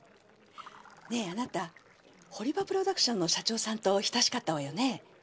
ねえあなた堀場プロダクションの社長さんと親しかったわよね？